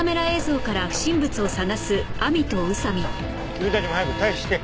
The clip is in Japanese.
君たちも早く退避して。